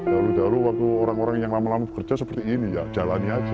dahu dahu waktu orang orang yang lama lama bekerja seperti ini ya jalani aja